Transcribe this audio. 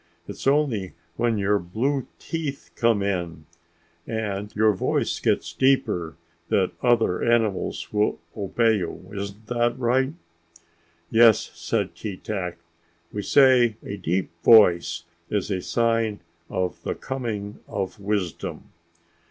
"It's only when your blue teeth come in and your voice gets deep that other animals will obey you. Isn't that right?" "Yes," said Keetack. "We say a deep voice is a sign of the coming of wisdom."